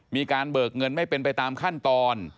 มีการเบิกเงินไม่เป็นไปตามขั้นตอน